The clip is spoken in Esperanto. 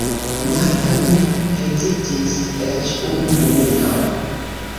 Marta ne hezitis eĉ unu momenton.